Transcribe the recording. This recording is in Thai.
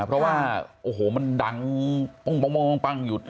เพราะว่ามันดังโป้งอยู่